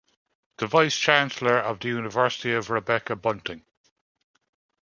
The Vice-Chancellor of the University is Rebecca Bunting.